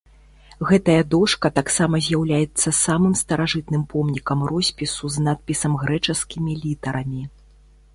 Гэтая дошка таксама з'яўляецца самым старажытным помнікам роспісу з надпісам грэчаскімі літарамі.